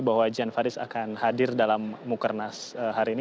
bahwa jan faris akan hadir dalam mukernas hari ini